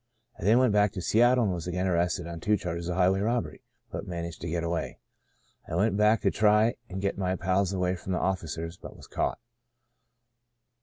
"I then went back to Seattle and was again arrested on two charges of highway robbery, but managed to get away. I went back to try and get my pals away from the officers, but was caught.